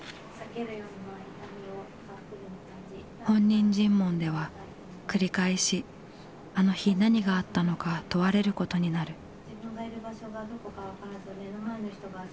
本人尋問では繰り返しあの日何があったのか問われることになる。